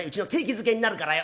づけになるからよ。